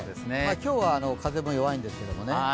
今日は風も弱いんですけどもね。